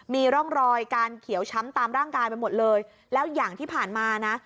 มีร่องรอยการเขียวช้ำตามร่างกายไปหมดเลยแล้วอย่างที่ผ่านมานะ